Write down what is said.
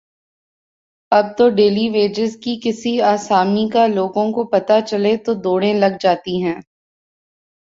اب تو daily wages کی کسی آسامی کا لوگوں کو پتہ چلے تو دوڑیں لگ جاتی ہیں۔